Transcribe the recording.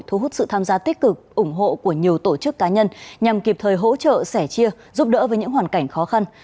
thu hút sự tham gia tích cực ủng hộ của nhiều tổ chức cá nhân nhằm kịp thời hỗ trợ sẻ chia giúp đỡ với những hoàn cảnh khó khăn